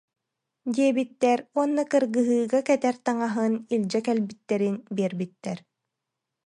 диэбиттэр уонна кыргыһыыга кэтэр таҥаһын илдьэ кэлбиттэрин биэрбиттэр